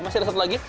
masih ada satu lagi